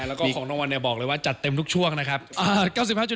แล้วก็ของรางวัลเนี่ยบอกเลยว่าจัดเต็มทุกช่วงนะครับ